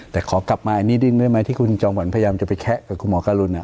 แต่ขอกลับมาอันนี้ดิ้นได้ไหมที่คุณจอมขวัญพยายามจะไปแคะกับคุณหมอการุณ